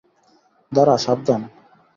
দাঁড়া, সাবধান।